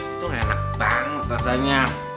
itu enak banget rasanya